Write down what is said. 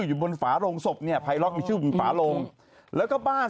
อยู่บนฝาโรงศพเนี่ยภายล็อกมีชื่อฝาโลงแล้วก็บ้าน